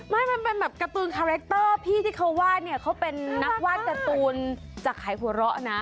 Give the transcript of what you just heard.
มันเป็นแบบการ์ตูนคาแรคเตอร์พี่ที่เขาว่าเนี่ยเขาเป็นนักวาดการ์ตูนจากขายหัวเราะนะ